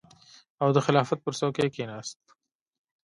او د خلافت پر څوکۍ کېناست.